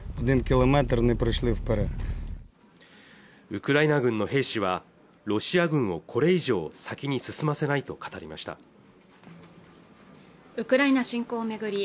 ウクライナ軍の兵士はロシア軍をこれ以上先に進ませないと語りましたウクライナ侵攻を巡り